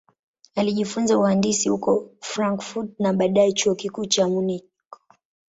Alijifunza uhandisi huko Frankfurt na baadaye Chuo Kikuu cha Munich.